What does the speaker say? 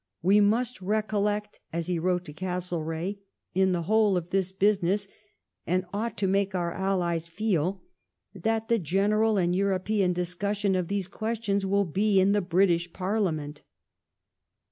" We must recollect," as he wrote to Castle reagh, " in the whole of this business, and ought to make our allies feel that the general and European discussion of these questions will be in the British Parliament."